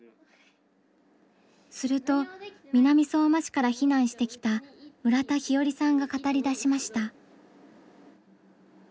すると南相馬市から避難してきた村田日和さんが語りだしました。